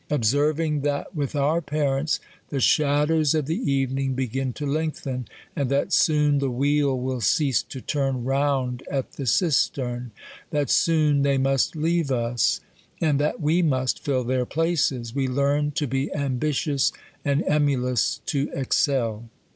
Observing, that with our parents, the shadows of the evening be gin to lengthen, and that soon the wheel will cease to turn round at the cistern ; that soon they must leave us, and that we must fill their places, we learn to be am bitious and emulous to excel.